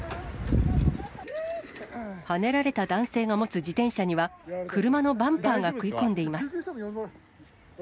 はねられた男性の持つ自転車には車のバンパーが食い込んでいます。